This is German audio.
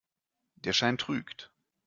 Der Schein trügt.